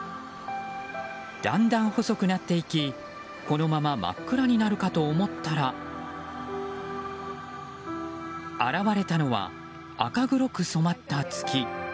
だんだん細くなっていきこのまま真っ暗になるかと思ったら現れたのは、赤黒く染まった月。